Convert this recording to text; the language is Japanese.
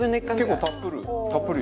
結構たっぷり。